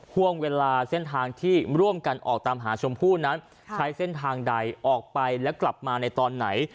ห่วงเวลาเส้นทางที่ร่วมกันออกตามหาชมพู่นั้นใช้เส้นทางใดออกไปแล้วกลับมาในตอนไหน